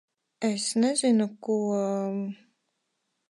Es nezinu ko...